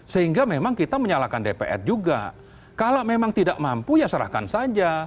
sehingga memang kita menyalahkan dpr juga kalau memang tidak mampu ya serahkan saja